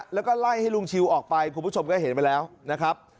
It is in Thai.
แล้วก็ไล่ให้ลุงชิวออกไปคุณผู้ชมก็เห็นมาแล้วนะครับ